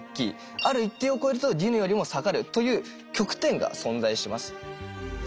ある一定を超えるとディヌよりも下がるという極点が存在します。